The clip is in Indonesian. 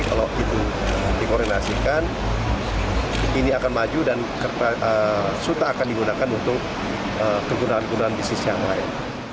kalau itu dikoordinasikan ini akan maju dan suta akan digunakan untuk kegunaan kegunaan bisnis yang lain